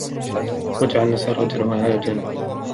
وَجَعَلنا سِراجًا وَهّاجًا